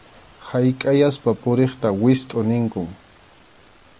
Hank’ayaspa puriqta wistʼu ninkum.